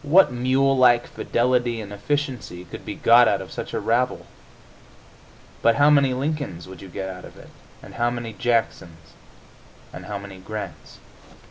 What mule like fidelity and efficiency could be got out of such a rabble! But how many Lincolns would you get out of it, and how many Jacksons, and how many Grants?